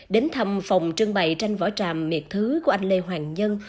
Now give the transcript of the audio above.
đến thăm phòng trưng bày tranh vỏ tràm miệt thứ của anh lê hoàng nhân